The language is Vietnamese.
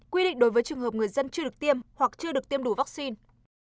quy định đối với trường hợp người dân chưa được tiêm hoặc chưa được tiêm đủ vaccine